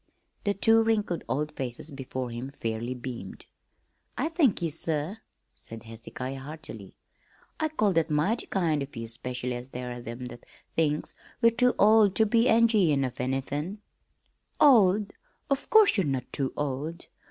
The two wrinkled old faces before him fairly beamed. "I thank ye, sir," said Hezekiah heartily. "I call that mighty kind of ye, specially as there are them that thinks we're too old ter be enj'yin' of anythin'." "Old? Of course you're not too old!